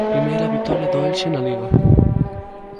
Primeira vitoria do Elxe na Liga.